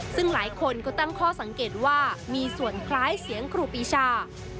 ซึ่งหลายคนก็ตั้งข้อสังเกตว่ามีส่วนคล้ายเสียงครูปีชา